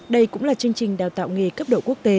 đây cũng là chương trình đào tạo nghề cấp độ quốc tế